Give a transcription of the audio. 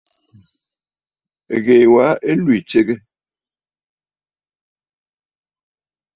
Ɨ́ɣèè wā ɨ́ í tʃégə́.